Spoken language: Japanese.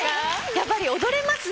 やっぱり踊れますね。